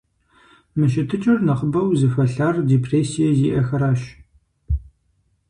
Мы щытыкӀэр нэхъыбэу зыхуэлъэр депрессие зиӀэхэращ.